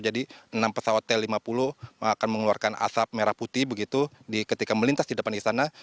jadi enam pesawat t lima puluh akan mengeluarkan asap merah putih begitu ketika melintas di depan di sana